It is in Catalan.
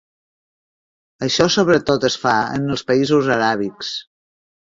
Això sobretot es fa en els països aràbics.